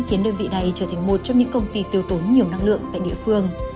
khiến đơn vị này trở thành một trong những công ty tiêu tốn nhiều năng lượng tại địa phương